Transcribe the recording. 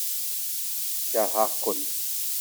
Keṛheɣ-ken.